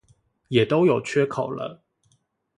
也都有缺口了